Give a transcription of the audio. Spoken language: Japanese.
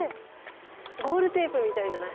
ゴールテープみたいじゃない？